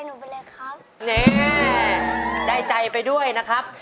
โอเคได้ใจไปด้วยนะครับ